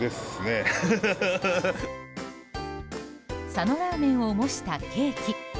佐野らーめんを模したケーキ。